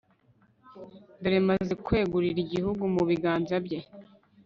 dore maze kwegurira igihugu mu biganza bye